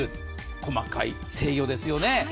細かい制御ですよね。